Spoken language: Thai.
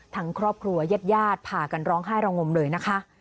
ครอบครัวยาดพากันร้องไห้ระงมเลยนะคะ